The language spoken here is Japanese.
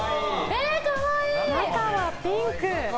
中はピンク。